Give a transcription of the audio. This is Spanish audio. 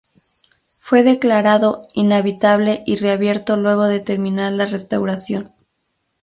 Fue declarado inhabitable y reabierto luego de terminar la restauración.